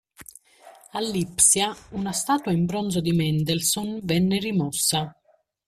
A Lipsia, una statua in bronzo di Mendelssohn venne rimossa.